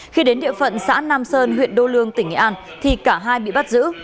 khi đến địa phận xã nam sơn huyện đô lương tỉnh nghệ an thì cả hai bị bắt giữ